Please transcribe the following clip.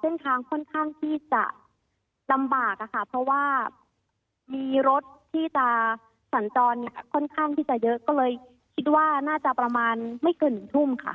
เส้นทางค่อนข้างที่จะลำบากอะค่ะเพราะว่ามีรถที่จะสัญจรค่อนข้างที่จะเยอะก็เลยคิดว่าน่าจะประมาณไม่เกิน๑ทุ่มค่ะ